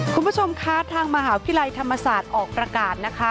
คุณผู้ชมคะทางมหาวิทยาลัยธรรมศาสตร์ออกประกาศนะคะ